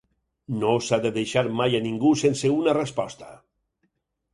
No s'ha de deixar mai a ningú sense una resposta.